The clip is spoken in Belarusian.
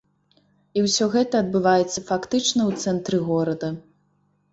І ўсё гэта адбываецца фактычна ў цэнтры горада.